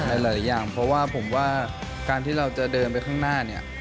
หลายอย่างเพราะว่าผมว่าการที่เราจะเดินไปข้างหน้าเนี่ย